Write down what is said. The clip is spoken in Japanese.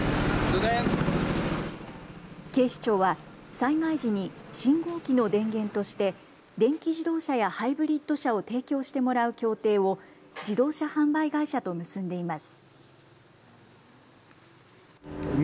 警視庁は災害時に信号機の電源として電気自動車やハイブリッド車を提供してもらう協定を自動車販売会社と結んでいます。